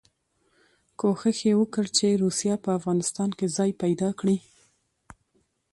کوښښ یې وکړ چې روسیه په افغانستان کې ځای پیدا کړي.